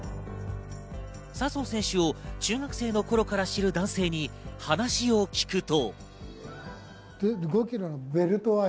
笹生選手を中学生の頃から知る男性に話を聞くと。